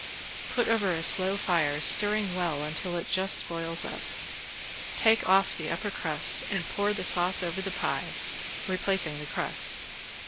Put over a slow fire, stirring well until it just boils up. Take off the upper crust and pour the sauce over the pie, replacing the crust.